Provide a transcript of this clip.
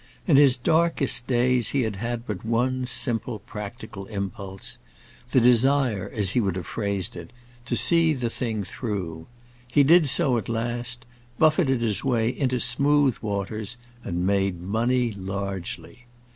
In his darkest days he had had but one simple, practical impulse—the desire, as he would have phrased it, to see the thing through. He did so at last, buffeted his way into smooth waters, and made money largely.